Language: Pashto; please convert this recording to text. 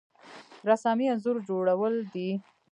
رسامي انځور جوړول دي